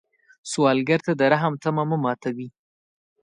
سوالګر ته د رحم تمه مه ماتوي